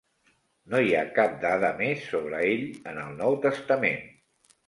No hi ha cap dada més sobre ell en el Nou Testament.